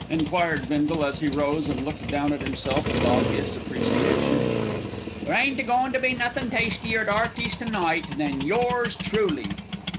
enquired Bindle, as he rose and looked down at himself with obvious appreciation. "There ain't a goin' to be nothin' tastier at 'Earty's to night than yours truly."